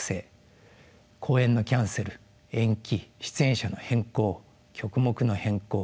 公演のキャンセル延期出演者の変更曲目の変更